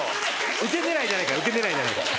ウケ狙いじゃないからウケ狙いじゃないから。